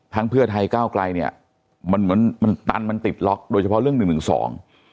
ทั้งเพื่อไทยก้าวไกรมันตันติดล็อกโดยเฉพาะเรื่อง๑๑๒